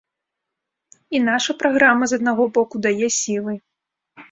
І наша праграма, з аднаго боку, дае сілы.